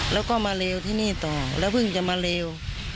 แล้วก็มาเลวที่นี่ต่อแล้วเพิ่งจะมาเลว